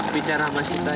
bicara sama sita ya